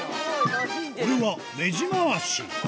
これはネジ回し。